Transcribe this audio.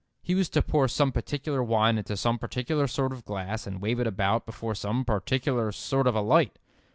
He was to pour some particular wine into some particular sort of glass, and wave it about before some particular sort of a light.